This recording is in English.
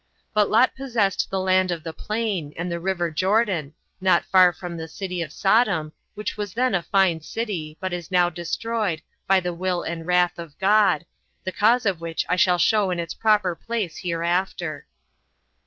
But Lot possessed the land of the plain, and the river Jordan, not far from the city of Sodom, which was then a fine city, but is now destroyed, by the will and wrath of God, the cause of which I shall show in its proper place hereafter.